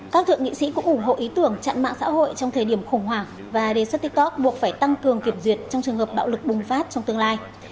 các thượng nghị sĩ cũng ủng hộ ý tưởng chặn mạng xã hội trong thời điểm khủng hoảng và đề xuất tiktok buộc phải tăng cường kiểm duyệt trong trường hợp bạo lực bùng phát trong tương lai